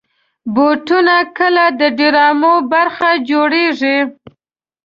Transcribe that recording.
بوټونه کله د ډرامو برخه جوړېږي.